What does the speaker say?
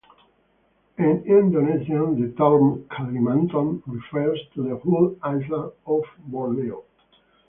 In Indonesian, the term "Kalimantan" refers to the whole island of Borneo.